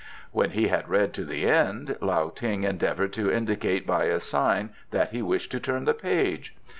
When he had read to the end, Lao Ting endeavoured to indicate by a sign that he wished to turn the page.